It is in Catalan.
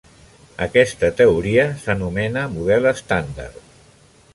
Aquesta teoria s'anomena Model estàndard.